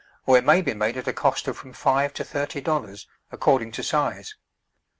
or it may be made at a cost of from five to thirty dollars, according to size.